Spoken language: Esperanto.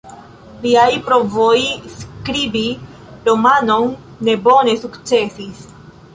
Liaj provoj skribi romanon ne bone sukcesis.